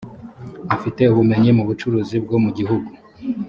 afite ubumenyi mu bucuruzi bwo mu gihugu